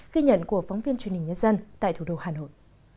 ghi nhận của phóng viên truyền hình nhân dân tại thủ đô hà nội